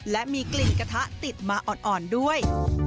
และมีกลิ่นกระทะติดมาอ่อนด้วย